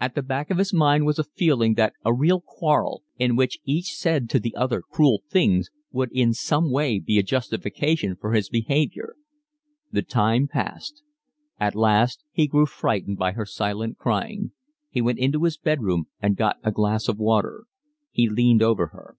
At the back of his mind was a feeling that a real quarrel, in which each said to the other cruel things, would in some way be a justification of his behaviour. The time passed. At last he grew frightened by her silent crying; he went into his bed room and got a glass of water; he leaned over her.